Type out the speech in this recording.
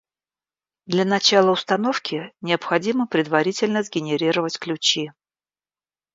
Для начала установки необходимо предварительно сгенерировать ключи